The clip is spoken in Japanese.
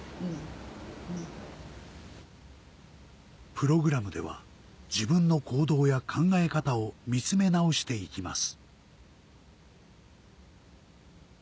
プログラムでは自分の行動や考え方を見つめ直していきます